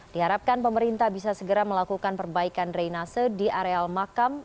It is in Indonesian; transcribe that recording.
diharapkan pemerintah bisa segera melakukan perbaikan drainase di areal makam